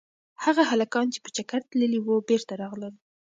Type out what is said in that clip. هغه هلکان چې په چکر تللي وو بېرته راغلل.